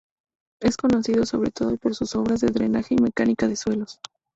Es conocido sobre todo por sus obras de drenaje y mecánica de suelos.